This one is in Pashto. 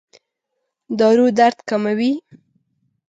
دارو درد کموي؟